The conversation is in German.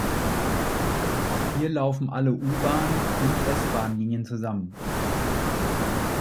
Hier laufen alle U-Bahn- und S-Bahnlinien zusammen.